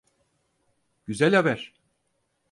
Güzel haber.